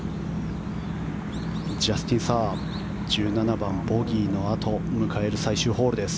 ジャスティン・サー１７番、ボギーのあと迎える最終ホールです。